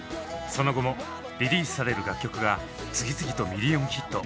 その後もリリースされる楽曲が次々とミリオンヒット。